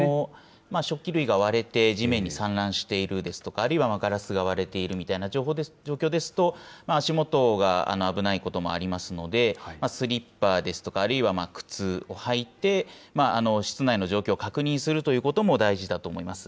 食器類が割れて地面に散乱しているですとか、あるいはガラスが割れているみたいな状況ですと、足元が危ないことがありますので、スリッパですとか、あるいは靴を履いて、室内の状況を確認するということも、大事だと思います。